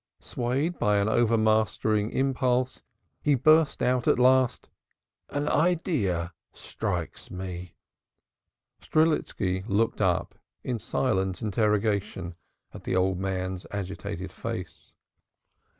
Swayed by an overmastering impulse he burst out at last. "An idea strikes me!" Strelitski looked up in silent interrogation at the old man's agitated face.